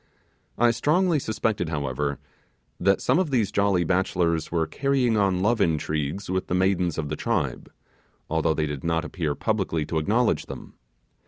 I strongly suspected however, that some of these jolly bachelors were carrying on love intrigues with the maidens of the tribe; although they did not appear publicly to acknowledge them.